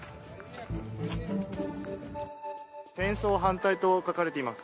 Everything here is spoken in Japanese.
戦争反対と書かれています。